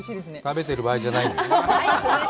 食べてる場合じゃないはい